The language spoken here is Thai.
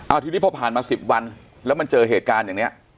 เอาทีนี้พอผ่านมาสิบวันแล้วมันเจอเหตุการณ์อย่างนี้